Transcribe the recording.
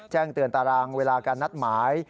แจ้งเตือนตารางเวลาการนัดหมาย